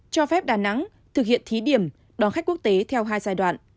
cho phép đà nẵng thực hiện thí điểm đón khách quốc tế theo hai giai đoạn